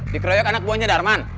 dikroyok anak buahnya darman